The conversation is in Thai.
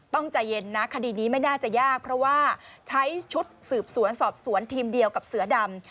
ใจเย็นนะคดีนี้ไม่น่าจะยากเพราะว่าใช้ชุดสืบสวนสอบสวนทีมเดียวกับเสือดำ